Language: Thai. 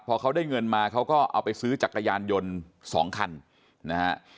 พอเขาได้เงินมาเขาก็เอาไปซื้อจักรยานยนต์๒คันนะฮะ